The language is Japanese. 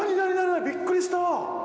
びっくりした！